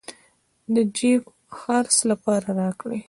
د جېب خرڅ لپاره راكړې.